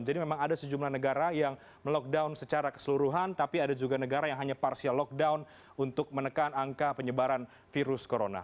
jadi memang ada sejumlah negara yang melockdown secara keseluruhan tapi ada juga negara yang hanya parsial lockdown untuk menekan angka penyebaran virus corona